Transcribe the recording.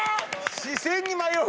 「視線に迷う。